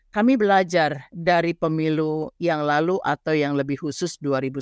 kami belajar dari pemilu yang lalu atau yang lebih khusus dua ribu sembilan belas